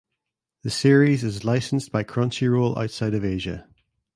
The series is licensed by Crunchyroll outside of Asia.